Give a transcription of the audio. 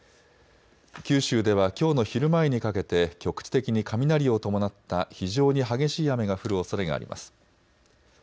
九州ではきょうの昼前にかけて局地的に雷を伴った非常に激しい雨が降るおそれがあります。